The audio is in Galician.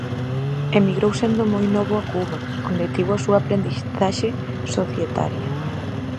Emigrou sendo moi novo a Cuba, onde tivo a súa aprendizaxe societaria.